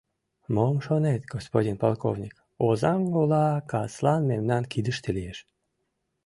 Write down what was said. Мом шонет, господин полковник, Озаҥ ола каслан мемнан кидыште лиеш.